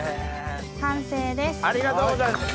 完成です。